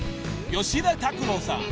［吉田拓郎さん